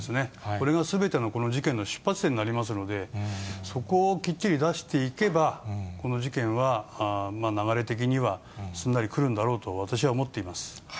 これがすべての、この事件の出発点になりますので、そこをきっちり出していけば、この事件は流れ的にはすんなりくるんだろうと私は思っています。